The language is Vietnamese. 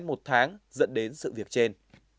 một tháng dẫn đến sự việc trên